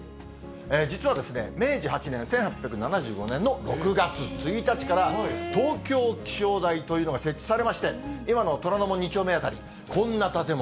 実はですね、明治８年・１８７５年の６月１日から、東京気象台というのが設置されまして、今の虎ノ門２丁目辺り、こんな建物。